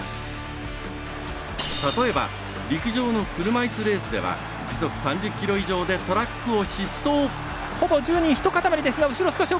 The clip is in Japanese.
例えば、陸上の車いすレースでは時速３０キロ以上でトラックを疾走。